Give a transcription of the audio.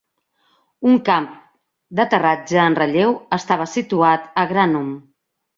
Un camp d'aterratge en relleu estava situat a Granum.